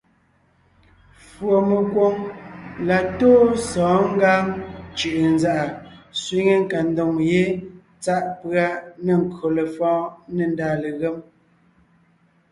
Fùɔmekwoŋ la tóo sɔ̌ɔn Ngǎŋ cʉ̀ʼʉnzàʼa sẅiŋe nkadoŋ ye tsáʼ pʉ́a nê nkÿo lefɔ̌ɔn nê ndàa legém.